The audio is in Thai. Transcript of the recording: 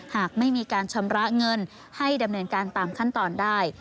หากไม่มีการชำระเงินให้ดำเนินการตามขั้นตอนได้